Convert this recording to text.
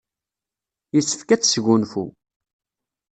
Yessefk ad tesgunfu.